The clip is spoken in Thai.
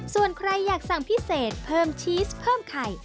ส่วนใครอยากสั่งพิเศษเพิ่มชีสเพิ่มไข่